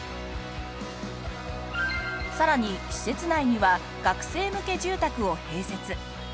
さらに施設内には学生向け住宅を併設。